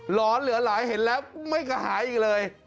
ร้อนเหลือหลายเห็นแล้วไม่กระหายอีกเลย